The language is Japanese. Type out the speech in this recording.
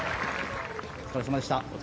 お疲れ様でした。